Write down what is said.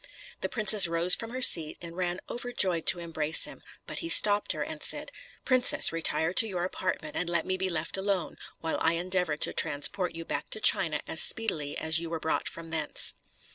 The princess rose from her seat, and ran overjoyed to embrace him; but he stopped her, and said, "Princess, retire to your apartment, and let me be left alone, while I endeavor to transport you back to China as speedily as you were brought from thence."